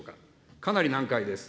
かなり難解です。